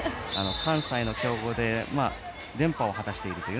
関西の強豪で連覇を果たしているという。